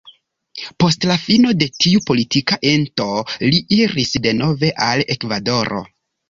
Post la fino de tiu politika ento li iris denove al Ekvadoro.